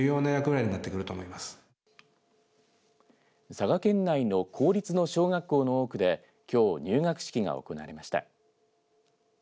佐賀県内の公立の小学校の多くできょう入学式が行われました。